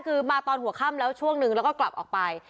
คือมาตอนหัวค่ำแล้วช่วงนึงแล้วก็กลับออกไป